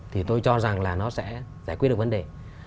thì tôi cho rằng là nó sẽ giải quyết được vấn đề